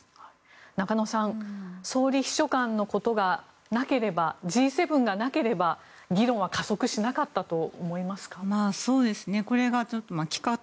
中野さん総理秘書官のことがなければＧ７がなければ議論は加速しなかったと思いますか。